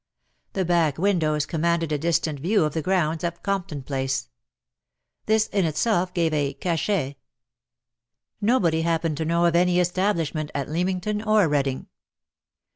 The back windows commanded a distant view of the grounds of Compton Place. This in itself gave a cachet. Nobody happened to know of any establishment at Leamington or Reading.